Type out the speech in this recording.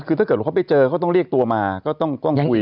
คือถ้าเกิดว่าเขาไปเจอเขาต้องเรียกตัวมาก็ต้องคุย